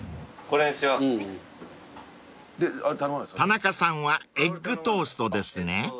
［田中さんはエッグトーストですね］